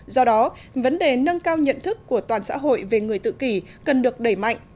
do đó vấn đề nâng cao nhận thức của toàn xã hội về người tự kỷ cần được đẩy mạnh